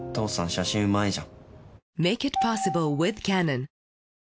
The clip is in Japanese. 写真うまいじゃん。